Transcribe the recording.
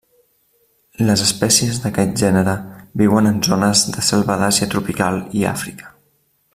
Les espècies d'aquest gènere viuen en zones de selva d'Àsia tropical i Àfrica.